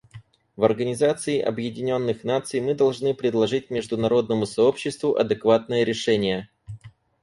В Организации Объединенных Наций мы должны предложить международному сообществу адекватные решения.